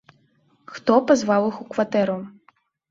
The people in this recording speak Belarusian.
Хто пазваў іх у кватэру?